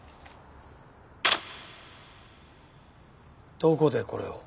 どこでこれを？